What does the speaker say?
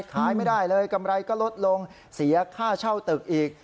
ขายไม่ได้เลยกำไรก็ลดลงเสียค่าเช่าตึกอีก